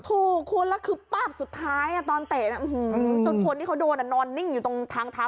ถูกคุณแล้วคือป๊าบสุดท้ายตอนเตะจนคนที่เขาโดนนอนนิ่งอยู่ตรงทางเท้า